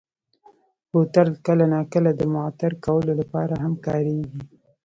بوتل کله ناکله د معطر کولو لپاره هم کارېږي.